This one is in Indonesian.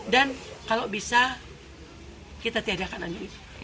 dan kalau bisa kita tiadakan anjing itu